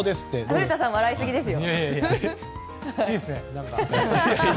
古田さん笑いすぎですよ。